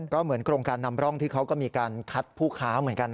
ก็เหมือนโครงการนำร่องที่เขาก็มีการคัดผู้ค้าเหมือนกันนะ